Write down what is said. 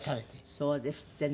そうですってね。